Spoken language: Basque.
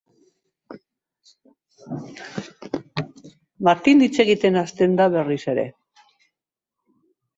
Martin hitz egiten hasten da berriz ere.